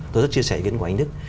tôi rất chia sẻ ý kiến của anh đức